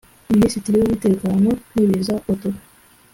Minisitiri w’umutekano n’ibiza wa Togo